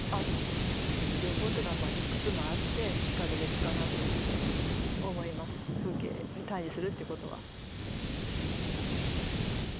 いくつもあってしかるべきかなというふうに思います風景に対じするってことは。